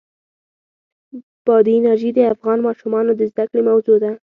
بادي انرژي د افغان ماشومانو د زده کړې موضوع ده.